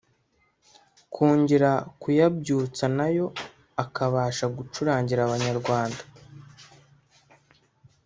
kongera kuyabyutsa nayo akabasha gucurangira Abanyarwanda